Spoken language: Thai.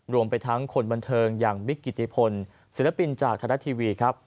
รวมไปทั้งคนบรรเทิงอย่างมิกฤติภลศิลปินจากธรรทิวีครับ